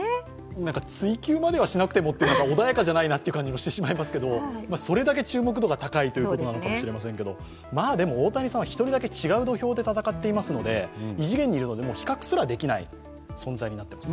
追及まではしなくても、穏やかじゃないなと思ってしまいますがそれだけ注目度が高いということかもしれませんけどでも大谷さんは１人だけ違う土俵で戦っていますので異次元にいるので比較すらできない存在になっています。